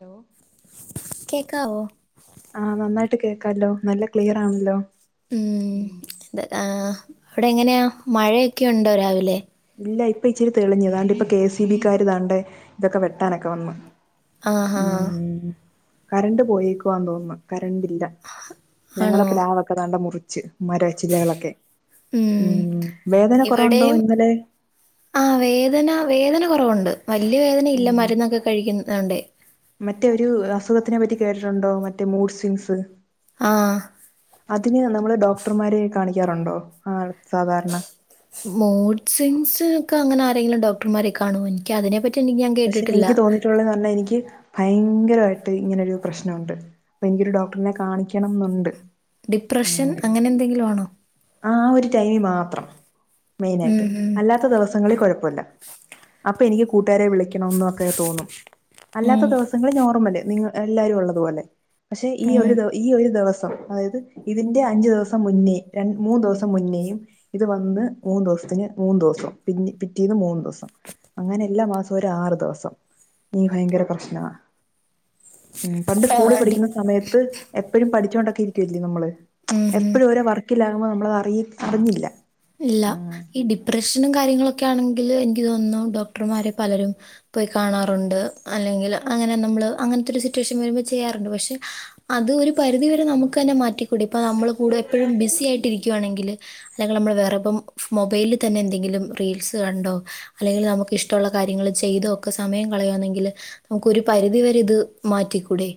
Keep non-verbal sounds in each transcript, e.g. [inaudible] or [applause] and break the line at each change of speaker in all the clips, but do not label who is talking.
Hello
കേക്കാവോ
ആ നന്നായിട്ട് കേക്കല്ലോ നല്ല ക്ലിയർ ആണല്ലോ
ഉം എ അവിടെ എങ്ങനെയാ മഴയൊക്കെണ്ടോ രാവിലെ
ഇല്ല ഇപ്പൊ ഇച്ചിരി തെളിഞ്ഞു താണ്ട് ഇപ്പ കെ സി ബിക്കാര് താണ്ടെ ഇതൊക്കെ വെട്ടാനൊക്കെ വന്ന്
ആ ഹാ
ഉം കറണ്ട് പോയേക്കുവാന്ന് തോന്നുന്നു കറണ്ട്ല്ല ഞങ്ങട
ആണോ
പ്ലാവക്കെ താണ്ടെ മുറിച്ച് മരച്ചില്ലകളൊക്കെ
ഉം
ഉംവേദന കുറവുണ്ടോ
ഇവിടെയും
ഇന്നലെ
ആ വേദന വേദന കുറവുണ്ട് വലിയ വേദന ഇല്ല മരുന്നൊക്കെ കഴിക്കുന്നൊണ്ടേ
മറ്റേ ഒരു അസുഖത്തിനെ പറ്റി കേട്ടിട്ടുണ്ടോ മറ്റേ മൂഡ് സ്വിങ്സ്
ആ
അതിന് നമ്മള് ഡോക്ടർമാരെ കാണിക്കാറുണ്ടോ ആ സാധാരണ
മോഡ്സിങ്സ് ഒക്കെ അങ്ങനെ ആരെങ്കിലും ഡോക്ടർമാരെ കാണോ എനിക്ക് അതിനെ പറ്റി
പക്ഷെ എനിക്ക് തോന്നിയിട്ടുള്ളത് ന്ന് പറഞ്ഞാ എനിക്ക് ഭയങ്കരമായിട്ട് ഇങ്ങനൊരു പ്രശ്നുണ്ട് അപ്പൊ എനിക്കൊരു ഡോക്ടറിനെ കാണിക്കണം എന്നുണ്ട്
ഡിപ്രഷൻ അങ്ങനെ എന്തെങ്കിലും ആണോ
ആ ഒരു ടൈമി മാത്രം മെയിനായിട്ട്
ഉം ഉം
അല്ലാത്ത ദിവസങ്ങളിൽ കുഴപ്പല്ല അപ്പൊ എനിക്ക് കൂട്ടുകാരെ വിളിക്ക ന്നൊക്കെ തോന്നും അല്ലാത്ത
ഉം
ദിവസങ്ങളി നോർമല് നി എല്ലാരും ഉള്ളത്പോലെ പക്ഷെ ഈ
ഉം
ഒരു ദി ഈ ഒരു ദിവസം അതായത് ഇതിന്റെ അഞ്ചു ദിവസം മുന്നേ ര മൂന്ന് ദിവസം മുന്നേം ഇത് വന്ന് മൂന്ന് ദിവ ത്തിന് മൂന്ന് ദിവസം പിന്ന പിറ്റേന്ന് മൂന്ന് ദിവസം അങ്ങനെ എല്ലാ മാസവും ഒരു ആറു ദിവസം എനിക്ക് ഭയങ്കര പ്രശ്നമാണ് ഉം പണ്ട്
ആ,
സ്കൂളിൽ
ഡി-
പഠിക്കുന്ന സമയത്ത് എപ്പോഴും പഠിച്ചുകൊണ്ടൊക്കെ ഇരിക്കുവല്ലേ നമ്മള്
ഉം ഉം
എപ്പോഴും ഓരോ വർക്കില്ലാകുമ്പോൾ നമ്മളത് അറിഞ്ഞില്ല
ഇല്ല
ഉം
ഈ ഡിപ്രഷനും കാര്യങ്ങളൊക്കെ ആണെങ്കിൽ എനിക്ക് തോന്നുന്നു ഡോക്ടർമാരെ പലരും പോയി കാണാറുണ്ട്. അല്ലെങ്കിൽ അങ്ങനെ നമ്മൾ അങ്ങനത്തെ ഒരു സിറ്റുവേഷൻ വരുമ്പോൾ ചെയ്യാറുണ്ട് പക്ഷെ അത് ഒരു പരിധിവരെ നമുക്ക് തന്നെ മാറ്റി കൂടിപ്പൊ നമ്മൾ കൂടെ എപ്പഴും ബിസി ആയിട്ടിരിക്കുകയാണെങ്കിൽനിങ്ങള് നമ്മ മൊബൈലിൽ തന്നെ എന്തെങ്കിലും റീൽസ് കണ്ടോ അല്ലെങ്കിൽ നമുക്ക് ഇ്ടഷ്മുള്ള കാര്യങ്ങൾ ചെയ്തോ ഒക്കെ സമയം കളയുവാണെങ്കിൽ നമുക്കൊരു പരിധി വരെ ഇത് മാറ്റിക്കൂടെേ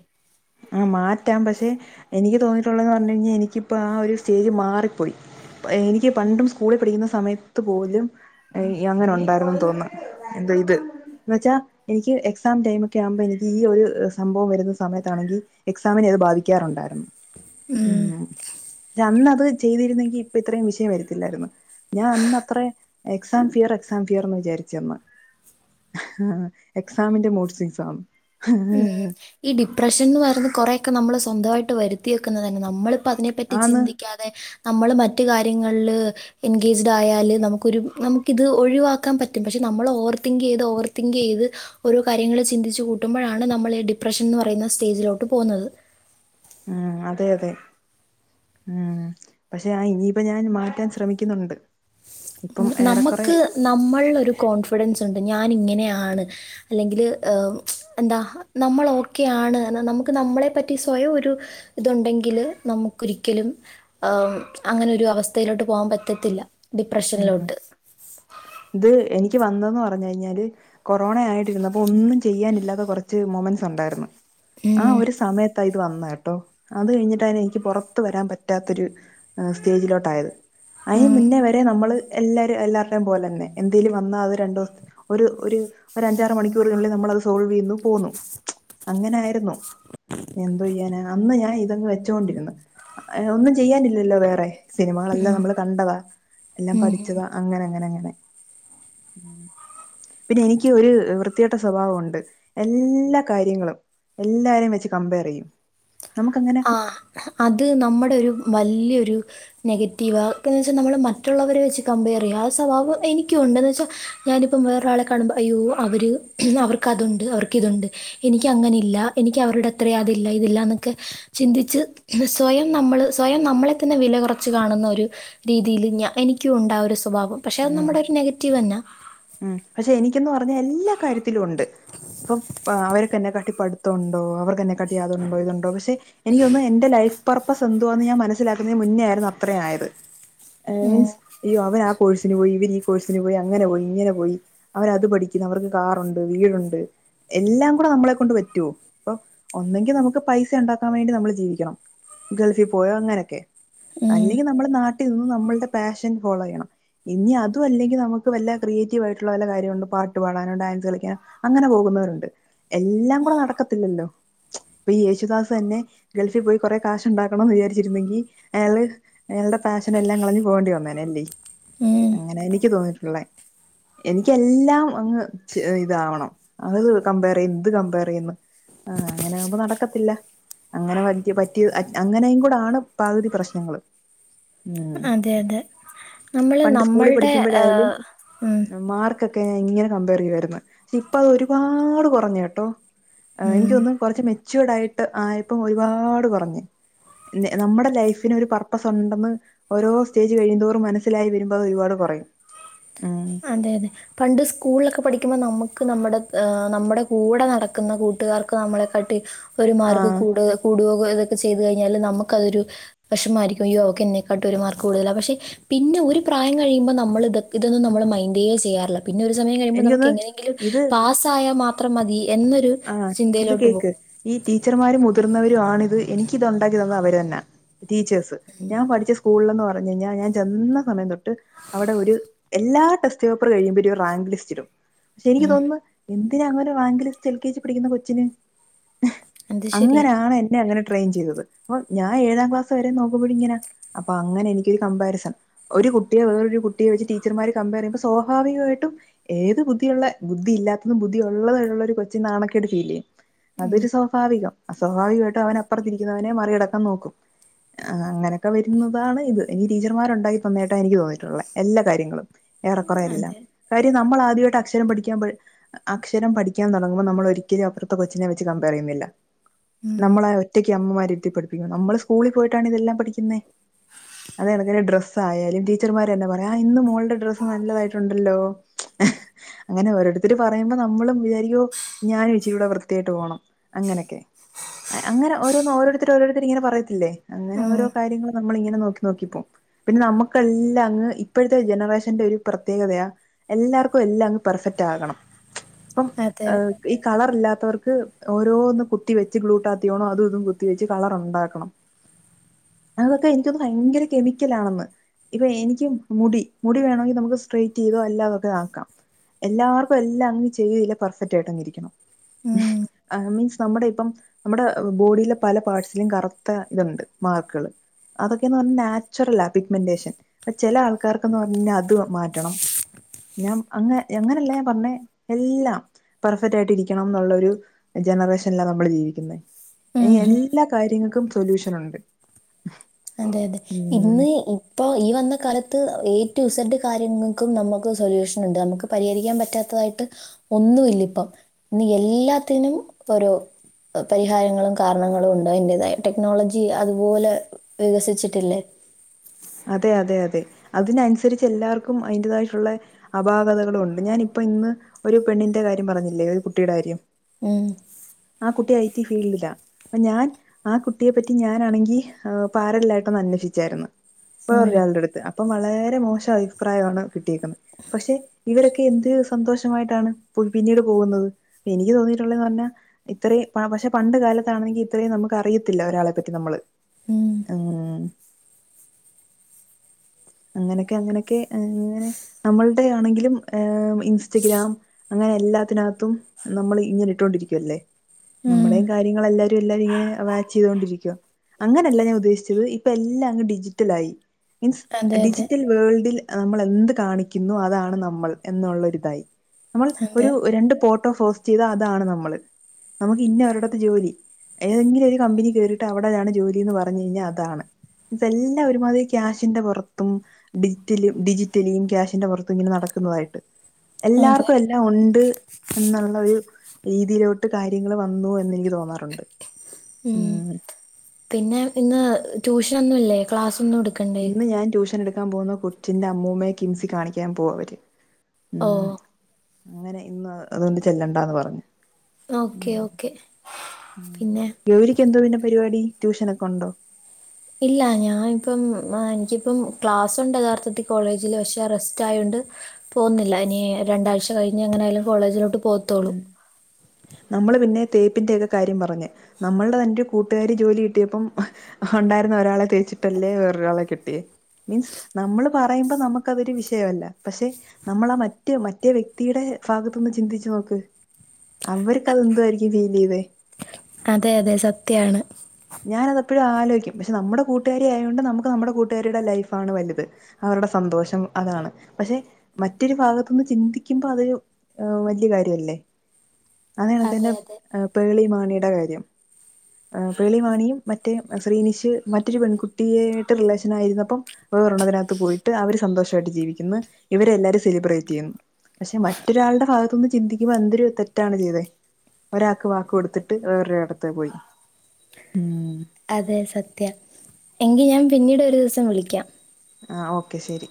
ആ മാറ്റാം പക്ഷെ എനിക്ക് തോന്നിയിട്ടുള്ളതെന്നു പറഞ്ഞു കഴിഞ്ഞാൽ എനിക്കിപ്പോ ആ ഒരു സ്റ്റേജ് മാറിപ്പോയി എനിക്ക് പണ്ടും സ്കൂളിൽ പഠിക്കുന്ന സമയത്ത് പോലും അങ്ങനെ ഉണ്ടായിരുന്നന്ന് തോന്നുന്നു ഇത് എന്ന് വെച്ചാൽ എനിക്ക് എക്സാം ടൈം ഒക്കെ ആവുമ്പോ എനിക്ക് ഈ ഒരു സംഭവം വരുന്ന സമയത്ത് അത് എക്സാമിനെ അത് ബാധിക്കാറുണ്ടായിരുന്നു
ഉം
അന്ന് അത് ചെയ്തിരുന്നെങ്കിൽ ഇപ്പ ഇത്രയും വിഷയം വരത്തില്ലായിരുന്നു ഞാൻ അന്നത്ര എക്സാം ഫിയർ എക്സാം ഫിയർ എന്ന് വിചാരി [unintelligible]
ഉം ഈ ഡിപ്രഷൻ എന്ന് പറയുന്ന കൊറെയൊക്കെ നമ്മള് സ്വന്തമായിട്ട് വരുത്തി വെക്കുന്നത് തന്നെ നമ്മൾ പ്പ അതിനെപ്പറ്റി
ആന്ന്
ചിന്തിക്കാതെ നമ്മൾ മറ്റു കാര്യങ്ങളിൽ എൻഗേജ്ഡ് ആയാല് നമുക്കൊരു നമുക്കിത് ഒഴിവാക്കാൻ പറ്റും പക്ഷെ നമ്മൾ ഓവർ തിങ്ക് ചെയ്ത് ഓവർ തിങ്ക് ചെയ്ത് ഓരോ കാര്യങ്ങള് ചിന്തിച്ച് കൂട്ട കൂട്ടുമ്പോഴാണ് നമ്മൾ ഡിപ്രഷൻ എന്ന് പറയുന്ന സ്റ്റേജിലോട്ട് പോകുന്നത്
ഉം അതെ അതെ ഉം പക്ഷെ ആ ഇനിയിപ്പ ഞാൻ മാറ്റാൻ ശ്രമിക്കുന്നുണ്ട് ഇപ്പം ഏറെക്കുറെ
നമുക്ക് നമ്മളിൽ ഒരു കോൺഫിഡൻസ് ഉണ്ട് ഞാൻ ഇങ്ങനെയാണ് അല്ലെങ്കിൽ എന്താ നമ്മള് ഓക്കേയാണ് എന്ന് നമുക്ക് നമ്മളെ പറ്റി സ്വയം ഒരു ഇതുണ്ടെങ്കിൽ നമുക്കൊരിക്കലും അങ്ങനൊരു അവസ്ഥയിലോട്ട് പോകാൻ പറ്റത്തില്ല ഡിപ്രഷനിലോട്ട്
ഇത് എനിക്ക് എനിക്ക് വന്നെന്ന് പറഞ്ഞ കഴിഞ്ഞാല് കൊറോണ ആയിട്ടിരുന്നപ്പൊ ഒന്നും ചെയ്യാനില്ലാത്ത കുറച്ച് മൊമെന്റ്സ് ഉണ്ടായിരുന്നു ആ
ഉം,
ഒരു സമയത്തായി ഇപ് വന്ന കേട്ടോ അത് കഴിഞ്ഞിട്ടായി എനിക്ക് പുറത്തു വരാൻ പറ്റാത്തൊരു സ്റ്റേജിലോട്ടായത് ആ ഒരു
ഉം.
സമയത്താ ഇപ്പ് നമ്മള് എല്ലാരും എല്ലാരുടെ പോലെ തന്നെ എന്തെലും വന്നാൽ രണ്ട് ഒരു ഒരു അഞ്ചാറു മണിക്കൂർ മണിക്കൂർ ല്ലേ നമ്മൾത് സോൾവ് ചെയ്യുന്നു പോന്നു അങ്ങനായിരുന്നു എന്തു ചെയ്യാന് അന്ന് ഞാൻ ഇതങ്ങ് വെച്ചൊണ്ടിന്ന് ഒന്നും ചെയ്യാനില്ലല്ലോ വേറെ സിനിമകളെല്ലാം നമ്മൾ കണ്ടതാ എല്ലാം പഠിച്ചതാ അങ്ങനെ അങ്ങനെ അങ്ങനെ ഉം [unintelligible] പിന്നെ എനിക്ക് ഒരു വൃത്തികെ ട്ട സ്വഭാവമുണ്ട് എല്ലാ കാര്യങ്ങളും എല്ലാരും വെച്ച് കമ്പയർ ചെയ്യും നമുക്കങ്ങനെ
ആ അത് നമ്മളൊരു വലിയൊരു നെഗറ്റീവന്ന് പിന്നെ എന്ന് വെച്ചാൽ നമ്മൾ മറ്റുള്ളവരെ വെച്ച് കമ്പയർ ചെയ്യുക ആ സ്വഭാവം എനിക്ക എന്തോന്ന് വെച്ചാൽ ഞാനിപ്പോ വേറൊരാളെ കാണുമ്പോൾ അയ്യോ അവര് അവർക്കത്തുണ്ട് ഇതന്നെ ഉണ്ട്‌ എനി അങ്ങനെ ഇല്ല എനിക്ക് അവരുടെ അത്ര അതില്ല ഇതില്ലന്നൊക്കെ ചിന്തിച്ച് സ്വയം നമ്മൾ സ്വയം നമ്മളെ തന്നെ വില കുറച്ച് കാണുന്ന ഒരു രീതിയിൽ ഞ എനിക്ക് എനിക്കും ഉണ്ടാ ഒ രു സ്വഭാവം പക്ഷെ അത്
ഉം
നമ്മുടെ ഒരു നെഗറ്റീവ് തന്നെ
ഉം പക്ഷെ എനിക്കന്ന് പറഞ്ഞ എല്ലാ കാര്യത്തിലും ഉണ്ട് ഇപ്പൊ അവർ ക്കന്നെ ക പഠിത്തമുണ്ടോ അവർക്ക് എന്നെ കട്ടിയാതുണ്ടോ ഇതുണ്ടോ പക്ഷെ എനിക്കൊന്ന് എന്റെ ലൈഫ് പർപ്പോസ് എന്താകുമെന്നു ഞാൻ മനസ്സിലാക്കുന്നതിന് മുന്നേ ആയിരുന്നു അത്ര ആയത്
ഉം,
അവർ ആകോഴ്സ് പോയി ഇവര് ഈ കോഴ്സിന് പോയി അങ്ങനെ പോയി ഇങ്ങനെ പോയി അവരത് പഠിക്കുന്നു അവർക്ക് കാറുണ്ട് വീടുണ്ട് എല്ലാം കൂടെ നമ്മളെ കൊണ്ട് പറ്റുവോ ഇപ്പൊ ഒന്നെങ്കിൽ നമുക്ക് പൈസ ഉണ്ടാക്കാൻ വേണ്ടി നമ്മൾ ജീവിക്കണം ഗൾഫിൽ പോയോ അങ്ങനൊക്കെ
ഉം,
അല്ലെങ്കിൽ നമ്മെ നാട്ട ട്ടിൽ നിന്ന് നമ്മുടെ പാഷൻ ഫോളോ ചെയ്യണം ഇനി അതും അല്ലെങ്കിൽ നമുക്ക് വല്ല ായിട്ടുള്ള പല്ല കാര്യങ്ങളുണ്ട് പാട്ട് പാടാനോ ഡാൻസ് കളിക്കാനോ അങ്ങനെ പോകുന്നവരുണ്ട് എല്ലാം കൂടെ നടക്കത്തില്ലല്ലോ ഇപ്പൊ ഈ യേശുദാസ് തന്നെ ഗൾഫിൽ പോയി കൊറെ കാശ് ഉണ്ടാക്കണംന്ന് വിചാരിച്ചിരുന്നെങ്കിൽ അയാള് പാഷൻ എല്ലാം കളഞ്ഞു പോകേണ്ടി വന്നേനല്ലേ
ഉം.
അങ്ങനെ എനിക്ക് തോന്നിട്ടുള്ളേ എനിക്കെല്ലാം അങ്ങ് ഇതാവണം അത് കമ്പയർ എന്ത് കമ്പയർ ചെയ്യുന്നു ആഹ അങ്ങനെ ആകുമ്പോ നടക്കത്തില്ല അങ്ങനെ പറ്റ പറ്റിയ അങ്ങനെയും കൂടെ ആണ് പകുതി പ്രശ്നങ്ങൾ
അതെ അതെ നമ്മൾ നമ്മളുടെ് ഉ
മാർക്കൊക്കെൻ ഇങ്ങനെ കമ്പയർ ചെയ്യമായിരരുന്നു പക്ഷെ ഇപ്പ അത് ഒരുപാട് കുറഞ്ഞ കേട്ടോ
ഉം.
എനിക്കൊന്നും കുറച്ച് മെച്യൂർഡ് ആയിട്ട് ആയപ്പം ഒരുപാട് കുറഞ്ഞു നമ്മുടെ ലൈഫിന് ഒരു പർപ്പസ് ഉണ്ടെന്ന് ഓരോ സ്റ്റേജ് കഴിയന്തോറും മനസ്സിലായി വരുമ്പോൾ അത് ഒരുപാട് യും ഉ
അതെ അതെ പണ്ട് സ്കൂളിലൊക്കെ പഠിക്കുമ്പോൾ നമുക്ക് നമ്മുടെ് നമ്മുടെ കൂടെ നടക്കുന്ന കൂട്ടുകാർക്കൊ നമ്മളെ കട്ടി ഒരു
ആ
മാർഗ കൂ കൂടുോ ഇതൊക്കെ ചെയ്തു കഴിഞ്ഞാൽ നമുക്കതൊരു വിഷമായിരിക്കും യക്കെക്കാട്ടും ഒരു മാർക്ക് കൂടുതല പക്ഷെ പിന്നെ ഒരു പ്രായം കഴിയുമ്പോൾ നമ്മൾ ഇത ഇതൊ നമ്മൾ മൈന് ചെയ്യാറില്ല പിന്നെ ഒരു സമയം കഴിയ്പോ നമുക്ക്
എനിക്കൊന്ന്
എങ്ങനെങ്കിലും പാസ്സായൽ മാത്രം മതി എന്നൊരു
ആ ഇത്
ചിന്തയിലോട്ട് പോകും
കേക്ക് ഈ ടീച്ചർമാര് മുതിർന്നവർ ആ ഇത് എനിക്ക ഇത് ഉണ്ടാക്കി തന്ന അവര് തന്നെ ടീച്ചേഴ്സ് ഞാൻ പഠിച്ച സ്കൂള [unintelligible] ഞാൻ ചെന്ന സമയം തൊട്ട് അവിടെ ഒര് എല്ലാ ടെസ്റ്റ് പേപ്പറ് കഴിയ്മ്പയും റേഗ് ലിസ്റ്റ് പക്ഷെ എനിക്ക്
ഉം
തോന്നുന്നു എന്തിനാ അങ്ങനെ വാങ്ക് ലിസ്റ്റ് എൽ കെജി പടിക്കുന്ന കൊച്ചിന്
അത് ശരിയാ
അങ്ങനാണ് എന്നെ അങ്ങ ട്രെയിൻ ചെയ്യ്തത് അപ്പോ ഞാൻ ഏഴാം ക്ലാസ്സ്‌വരെ നോക്കുമ്പോഴും ഇങ്ങനാ അപ്പോ അങ്ങനെയെനിക്കൊരു കമ്പറരിസൺ ഒ രു കുട്ടിയെ വേറൊരു കുട്ടിയെ വെച്ച് ടീച്ചർമാര് കംപേറ് ചെയ്യുമ്പോ സ്വഭാവികമായിട്ടും ഏത് ബുദ്ധിയുള്ള ബുദ്ധി ഇല്ലാത്ത ബുദ്ധി ഒള്ളത് [unintelligible] ഒരു കൊച്ചിൻ നാണക്കേട് ഫീൽ ചെയ്യും
ഉം
അതൊരു സ്വാഭാവികം അസ്വാഭാവികവായിട്ടും അവൻ അപ്പറത്തിരിക്കുന്നവനെ മറികടക്കാൻ നോക്കും ആഹ് അങ്ങനക്കെ വരുന്നതാണ് ഇത് ഇനി ടീച്ചർമാർണ്ടാക്കി തന്നേട്ടാ എനിക്ക് തോന്നിട്ടോള്ളെ എല്ലാ കാര്യങ്ങളും ഏറെക്കോറെ എല്ലാം
അതെ
കാര്യം നമ്മളാദ്യവായിട്ട് അക്ഷരം പഠിക്കാൻ അക്ഷരം പഠിക്കാൻ തൊ ടങ്ങുമ്പോ നമ്മള് ഒരിക്കലും അപ്പറത്തെ കൊച്ചിനെ വെച്ച് കംപേറ് ചെയ്യുന്നില്ല
ഉം
നമ്മള് ഒറ്റ റ്റക്ക് അമ്മമ്മാര് ഇരുത്തി പഠിപ്പിക്കും നമ്മള് സ്കൂളിൽ പോയിട്ടാണ് ഇതെല്ലാം പഠിക്കുന്നേ അതെക്കണക്ക് ഡ്രസ്സ് ആായാലും ടീച്ചർമാരന്നെ പറയും ആഹ്‌ ഇന്ന് മോളുടെ ഡ്രസ്സ് നല്ലതായിട്ടുണ്ടല്ലോ അങ്ങനെ ഓരോരുത്തര് പറയുമ്പോ നമ്മളും വിചാരിക്കുവോ ഞാനും ഇച്ചിരുടെ വൃത്തിയായിട്ട് പോണം അങ്ങനെക്കെ അങ്ങനെ ഓരോന്ന് ഓരോരുത്തര് ഓരോരുത്തര് ഇങ്ങനെ പറയത്തില്ലേ അങ്ങനെ
ഉം
ഓരോ കാര്യങ്ങളും നമ്മളിങ്ങനെ നോക്കി നോക്കിപ്പോം പിന്നെ നമുക്കെല്ലാം അങ്ങ് ഇപ്പോഴത്തെ ജനറേഷന്റെ ഒരു പ്രത്യേകതയാ എല്ലാർക്കും എല്ലാം അങ്ങ് പെർ ഫറ്റ് ആകണം ഇപ്പം
അതെ
ഈ കളറില്ലാത്തവർക്ക് ഓരോന്ന് കുത്തി വെച്ച് ഗ്ലൂട്ടാത്തിയോണോ അതും ഇതും കുത്തി വെച്ച് കളർ ഒണ്ടാക്കണം അതൊക്കെ എനിക്കൊന്ന് ഭയങ്കര കെമിക്കലാണെന്ന് ഇപ്പോ എനിക്ക് മുടി മുടി വേണോങ്കി നമുക്ക് സ്ട്രെറ്റ് ചെയ്തോ അല്ലാതൊക്കെ ആക്കാം എല്ലാർക്കും എല്ലാം അങ്ങനെ ചെയ്തില്ല പെർഫെക്റ്റായിട്ട് അങ്ങ് ഇരിക്കണം
ഉം
ആഹ്‌ മീൻസ് നമ്മടെ ഇപ്പം നമ്മടെ ബോഡിയിലെ പല പാർട്സിലും കറുത്ത ഇതൊണ്ട് മാർക്ക്കള് അതൊക്കെന്ന് പറഞ്ഞ നാച്ചുറൽ ആ പിക്മെന്റേഷൻ അപ്പ ചെല ആൾക്കാർക്ക്ന്ന് പറഞ്ഞ അത് മാറ്റണം ഞാൻ അങ്ങ അങ്ങനല്ല ഞാൻ പറഞ്ഞെ എല്ലാം പെർഫ റ്റായിട്ട് ഇരിക്കണം ന്നുള്ളോരു ജനറേഷനല്ല നമ്മള് ജീവിക്കുന്നേ ഇനി
ഉം
എല്ലാ കാര്യങ്ങക്കും സൊല്യൂഷനൊണ്ട്
അതെ അതെ ഇന്ന് ഇപ്പൊ ഈ വന്ന കാല ത്ത് ഏ ടു ഇസഡ് കാര്യങ്ങക്കും നമുക്ക് സൊല്യൂഷൻ ഉണ്ട് നമുക്ക് പരിഹരിക്കാൻ പറ്റാത്തതായിട്ട് ഒ ന്നും ഇല്ലിപ്പം ഇന്ന് എല്ലാത്തിനും ഒരൊ അഹ് പരിഹാരങ്ങളും കാരണങ്ങളും ഉണ്ട് അയിൻ്റേതായ ടെക്നോളജി അതുപോലെ വികസിച്ചിട്ടില്ലേ
അതെയതെയതെ അതിനൻസരിച്ചെല്ലാർക്കും അതിന്റേതായിട്ടുള്ള അപാകതകളുണ്ട് ഞാനി പ്പിന്ന് ഒരു പെണ്ണിന്റ കാര്യം പറഞ്ഞില്ലേ ഒരു കുട്ടീട കാര്യം
ഉം
ആ കുട്ടി ഐ ടി ഫീൽഡിലാ അപ്പ ഞാൻ ആ കുട്ടിയെ പറ്റി ഞാനാണെങ്കി ആഹ് പാരലലായിട്ടൊന്ന് അന്വഷിച്ചാരുന്ന്.
ഉം
വേറൊരാളുടടുത്ത് അപ്പം വളരെ മോശ അഭിപ്രായവാണ് കിട്ടിയേക്കുന്നെ പക്ഷെ ഇവരൊക്കെ എന്ത്‌ രു സന്തോഷമായിട്ടാണ് പൊയ് പിന്നീട് പോകുന്നത് എനിക്ക് തോന്നിയിട്ടുള്ളേന്ന് പറഞ്ഞാ ഇത്രേം പാ പക്ഷെ പ ണ്ട് കാലത്താണെങ്കി ഇത്രേം നമുക്ക് അറിയത്തില്ല ഒരാളെ പറ്റി നമ്മള്
ഉം
ഉം. അങ്ങനൊക്കെ അങ്ങനൊക്കെ ആഹ് അങ്ങനെ നമ്മളുടെയാണെങ്കിലും ഏഹ് ഉം ഇൻസ്റ്റഗ്രാം അങ്ങനെയെ ല്ലാത്തിനകത്തും നമ്മള് ഇങ്ങനെ ഇട്ടോണ്ടിരിക്കുവല്ലേ.
ഉം
നമ്മടെയും കാര്യങ്ങളെല്ലാരു എല്ലാരു ഇങ്ങനെ വാച്ച് ചെയ്തോണ്ടിരിക്കുവാ. അങ്ങനല്ല ഞാൻ ഉദ്ദേശിച്ചത് ഇപ്പ എല്ലാ അങ്ങ് ഡിജിറ്റലായി മീൻസ്
അതെ അതെ
ഡിജിറ്റൽ വേൾഡിൽ നമ്മളെന്ത് കാണിക്കുന്നു അതാണ് നമ്മൾ എന്നുള്ളൊരിതായി നമ്മൾ
അതെ
ഒരു രണ്ട് പോ ട്ടോ ഫോസ്റ്റെയ്താ അതാണ് നമ്മള് നമുക്ക് ഇന്ന ഒരിടത്ത് ജോലി. ഏതെങ്കിലും ഒരു കമ്പനീ കേറീട്ടവടെയാണ് ജോലീന്ന് പറഞ്ഞ് കയിഞ്ഞാ അതാണ് ഇതെ ല്ലാ ഒരുമാതിരി ക്യാഷിന്റെ പൊറത്തും ഡിജിറ്റല് ഡിജിറ്റലി ക്യാഷിന്റെ പൊറത്തും ഇങ്ങനെ നടക്കുന്നതായിട്ട്
അതെ
എല്ലാർക്കും എല്ലാം ഒണ്ട്. എന്നൊള്ള ഒരു രീതിയിലോട്ട് കാര്യങ്ങള് വന്നു എന്നെനിക്ക് തോന്നാറുണ്ട്. ഇം
പിന്നേ ഇന്ന് ട്യൂഷനൊന്നുവില്ലേ ക്ലാസ്
ഇന്ന് ഞാൻ ട്യൂഷനെടുക്കാൻ പോവുന്ന കൊച്ചിന്റമ്മൂമ്മയെ കിംസീ കാണിക്കാൻ പോവാ അവര്.
ഓ
ഉം അങ്ങനെ ഇന്നോ അതോണ്ട് ചെല്ലണ്ടാന്ന് പർഞ്ഞ്.
ഓക്കെ
ഉം
ഓക്കെ
ഉം
പിന്നെ
ഗൗരിക്ക് എന്തുവാ പിന്നെ പരിവാടി? ട്യൂഷനൊക്കൊണ്ടോ?
ഇല്ല ഞാ ഇപ്പം എനിക്കിപ്പം ക്ലാസുണ്ട് യഥാർത്ഥത്തി കോളേജില് പക്ഷെ റെസ്റ്റ് ആയോ ണ്ട് പോന്നില്ല. ഇനി രണ്ടാഴ്ച കഴിഞ്ഞ് എങ്ങനായാലും കോളേജിലോട്ട് പോത്തോള്ളൂ.
നമ്മള് പിന്നെ തേപ്പിൻ്റേക്ക കാര്യം പറഞ്ഞ്. നമ്മൾട തന്റെ കൂട്ടുകാരി ജോലി കിട്ടിയപ്പം ഒൺ ണ്ടായിരുന്ന ഒരാളെ തേച്ചിട്ടല്ലേ വേറൊരാളെ കെട്ടിയേ? മീൻസ് നമ്മള് പറയുമ്പ നമുക്കതൊരു വിഷയവല്ല. പക്ഷെ നമ്മളാ മറ്റ് മറ്റേ വ്യക്തീടെ ഫാഗത്ത്ന്ന് ചിന്തിച്ചു നോക്ക് അവര്ക്കതെന്തുവായിരിക്കും ഫീലെയ്തേ.
അതെ അതെ സത്യാണ്.
ഞാനതെപ്പെഴും ആലോയ്ക്കും. പക്ഷെ നമ്മടെ കൂട്ടുകാരിയായോണ്ട് നമ്മുക്ക് നമ്മുടെ കൂട്ടുകാരീട ലൈഫാണ് വലുത് ആ വൾടെ സന്തോഷം അതാണ്. പശേ മറ്റൊരു ഭാഗത്ത്ന്ന് ചിന്തിക്കുമ്പ അതൊരു വല്ല്യ കാര്യ ല്ലെ? അതേ കണക്ക് തന്ന
അതെ അതെ
പേളി മാണിയുടെ കാര്യം ആ പേളി മാണിയും മറ്റേ അ ശ്രീനിഷ് മറ്റൊരു പെൺകുട്ടിയേയിട്ട് റിലേഷൻ ആയിരുന്നപ്പം വേറരെണ്ണത്തിനകത്ത് പോയിട്ട് അവര് സന്തോഷായിട്ട് ജീവിക്കുന്ന്. ഇവര് എല്ലാരും സെലിബ്രേറ്റെയ്യുന്ന്. പശേ മറ്റൊരാൾടെ ഭാഗത്തുന്ന് ചിന്തിക്കുമ്പ എന്തൊരു തെറ്റാണ് ചെയ്തേ. ഒരാക്ക് വാക്ക് കൊട്ത്തിട്ട് വേറൊരാടത്ത് പോയി ഉം.
അതെ സത്യാ. എങ്കി ഞാൻ പിന്നീടൊരൂസം വിളിക്കാം.
ആഹ് ഓക്കെ ശരി.